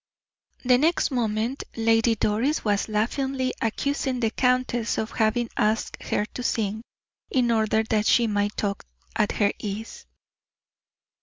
The next moment Lady Doris was laughingly accusing the countess of having asked her to sing, in order that she might talk at her ease.